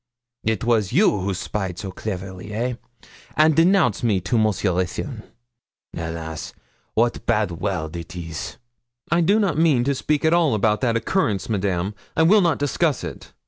It was you who spied so cleverly eh! and denounce me to Monsieur Ruthyn? Helas! wat bad world it is!' 'I do not mean to speak at all about that occurrence, Madame; I will not discuss it.